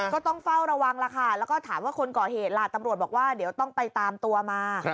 ก็ต้องเฝ้าระวังล่ะค่ะแล้วก็ถามว่าคนก่อเหตุล่ะตำรวจบอกว่าเดี๋ยวต้องไปตามตัวมา